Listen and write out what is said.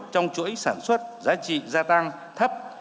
trong chuỗi sản xuất giá trị gia tăng thấp